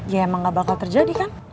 ya emang gak bakal terjadi kan